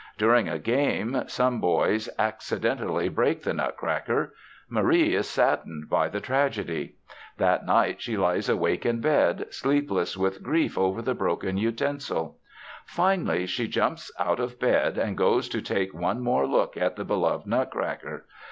During a game, some boys accidentally break the Nutcracker. Marie is saddened by the tragedy. That night she lies awake in bed, sleepless with grief over the broken utensil. Finally, she jumps out of bed and goes to take one more look at the beloved Nutcracker.